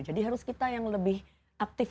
jadi harus kita yang lebih aktif